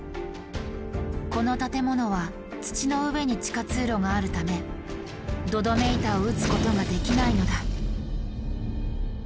この建物は土の上に地下通路があるため土留め板を打つことができないのだ。